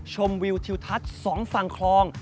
ชมวิวทิวทัชสองฝั่งคลอง